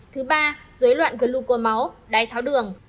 thứ ba dối loạn gluco máu đáy tháo đường